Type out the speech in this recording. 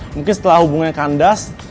mungkin setelah hubungannya kandas